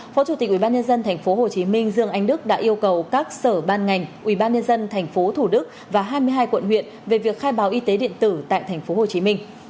phó chủ tịch ubnd tp hcm dương anh đức đã yêu cầu các sở ban ngành ubnd tp thủ đức và hai mươi hai quận huyện về việc khai báo y tế điện tử tại tp hcm